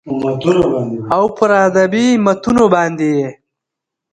او پر ادبي متونو باندې يې